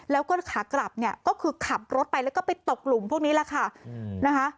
แล้วก็ขากลับเนี่ยก็คือขับรถไปแล้วก็ไปตกหลุมพวกนี้แหละค่ะนะคะ